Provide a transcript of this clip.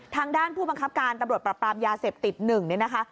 ทางด้านผู้บังคับการตำรวจปรับปรามยาเสพติด๑เนี่ยนะคะ